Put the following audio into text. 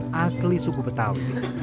sebuah kebanggaan asli suku betawi